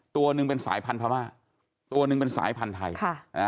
ตัวหนึ่งเป็นสายพันธม่าตัวหนึ่งเป็นสายพันธุ์ไทยค่ะอ่า